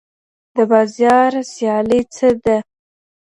د بازار سيالي څه ده؟